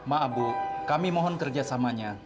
maaf bu kami mohon kerjasamanya